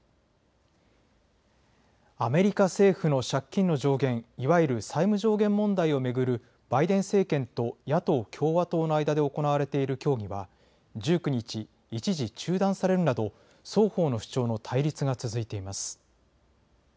アメリカ政府の借金の上限、いわゆる債務上限問題を巡るバイデン政権と野党・共和党の間で行われている協議は１９日、一時中断されるなど双方の主張の対立が続いています。